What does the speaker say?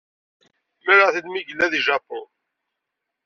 Mlaleɣ-t-id mi yella deg Japun.